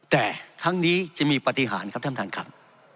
แต่ทั้งนี้จะมีปฏิหารครับท่านประธานครับ